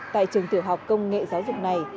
tại trường tử học công nghệ giáo dục này